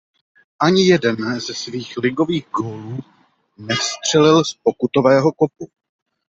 Ani jeden ze svých ligových gólů nevstřelil z pokutového kopu.